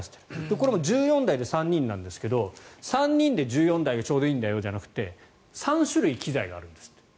これも１４台で３人なんですが３人で１４台がちょうどいいんだよじゃなくて３種類機材があるんですって。